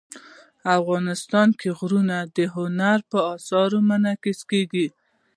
افغانستان کې غرونه د هنر په اثار کې منعکس کېږي.